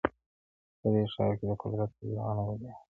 په دې ښار كي د قدرت لېوني ډېر وه٫